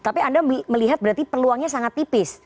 tapi anda melihat berarti peluangnya sangat tipis